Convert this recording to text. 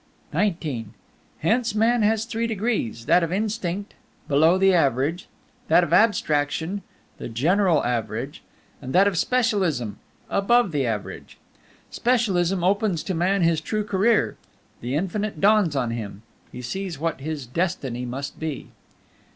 XIX Hence man has three degrees. That of Instinct, below the average; that of Abstraction, the general average; that of Specialism, above the average. Specialism opens to man his true career; the Infinite dawns on him; he sees what his destiny must be.